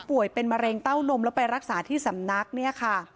ป่วยเป็นมะเร็งเต้านมแล้วไปรักษาที่สำนัก